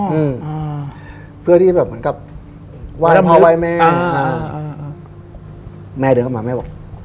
อืมเพื่อที่แบบเหมือนกับวายพร้อมวายแม่อ่าแม่เดินเข้ามาแม่บอก